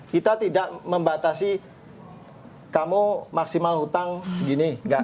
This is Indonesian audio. kita tidak membatasi kamu maksimal hutang segini